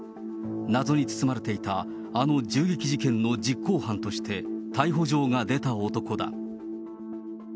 謎に包まれていたあの銃撃事件の実行犯として、逮捕状が出た男だ。